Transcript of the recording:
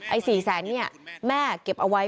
๔แสนเนี่ยแม่เก็บเอาไว้